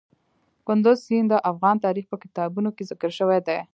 کندز سیند د افغان تاریخ په کتابونو کې ذکر شوی دي.